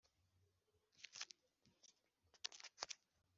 Atutira ijoro n’amanywa atayaretse